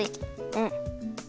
うん。